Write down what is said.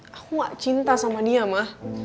aku gak cinta sama dia mah